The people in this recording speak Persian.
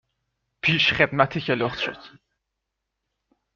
.پیش خدمتی که لخت شد